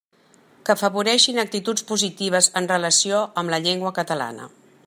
Que afavoreixin actituds positives en relació amb la llengua catalana.